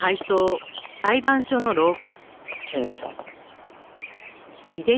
検事さん。